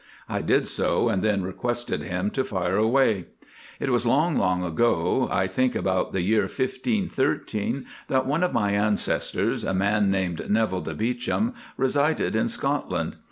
I did so, and then requested him to fire away. "It was long, long ago, I think about the year 1513, that one of my ancestors, a man called Neville de Beauchamp, resided in Scotland.